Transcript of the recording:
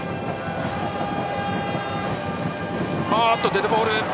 デッドボール。